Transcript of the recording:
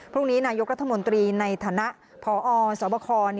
พรุ่งนี้นายกรัฐมนตรีในฐานะพอสบค